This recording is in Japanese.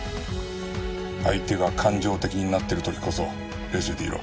相手が感情的になってる時こそ冷静でいろ。